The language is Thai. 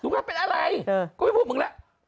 กูไม่พูดมึงละ